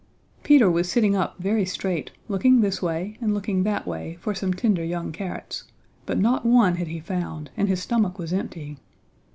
Peter was sitting up very straight, looking this way and looking that way for some tender young carrots, but not one had he found, and his stomach was empty.